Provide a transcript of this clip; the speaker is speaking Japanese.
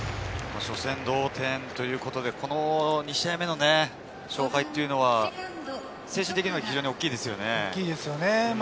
初戦同点ということで、２試合目の勝敗というのは精神的に大きいですね。